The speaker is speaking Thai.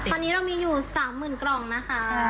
ตอนนี้เรามีอยู่๓๐๐๐กล่องนะคะ